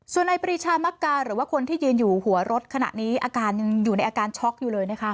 ส่วนในปรีชามักกาหรือว่าคนที่ยืนอยู่หัวรถขณะนี้อาการยังอยู่ในอาการช็อกอยู่เลยนะคะ